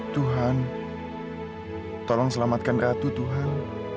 tuhan tolong selamatkan ratu tuhan